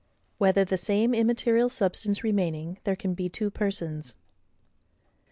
16. Whether, the same immaterial Substance remaining, there can be two Persons.